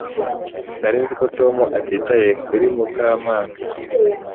Nari nzi ko Tom atitaye kuri Mukamana